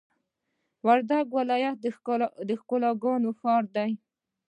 وردګ ولایت د ښکلاګانو ښار دی!